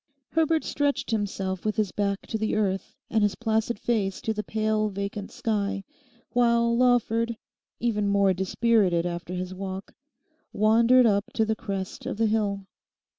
Herbert stretched himself with his back to the earth, and his placid face to the pale vacant sky, while Lawford, even more dispirited after his walk, wandered up to the crest of the hill.